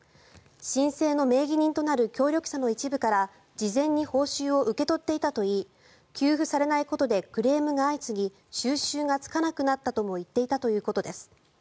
申請の名義人となる協力者の一部から事前に報酬を受け取っていたといい給付されないことでクレームが相次ぎ収拾がつかなくなったとも言っていたということです。